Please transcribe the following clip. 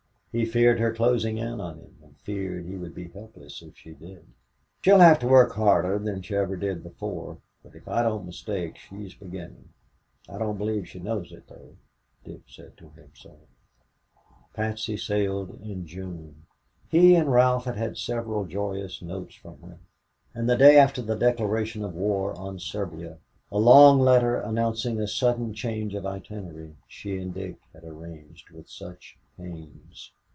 He feared her closing in on him, and feared he would be helpless if she did. "She'll have to work harder than she ever did before, but if I don't mistake, she's beginning. I don't believe she knows it, though," Dick said to himself. Patsy sailed in June. He and Ralph had had several joyous notes from her, and the day after the declaration of war on Serbia a long letter announcing a sudden change of the itinerary she and Dick had arranged with such pains.